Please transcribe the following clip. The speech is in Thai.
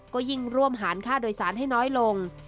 ก็ยิ่งร่วมหารค่าโดยสารให้น้อยลง